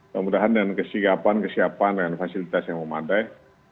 semoga dengan kesiapan kesiapan dan fasilitas yang memadai